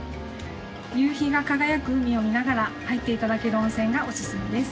夕日が輝く海を見ながら入っていただける温泉がおすすめです。